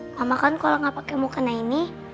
mama kan kalau gak pake mau ke nanya ini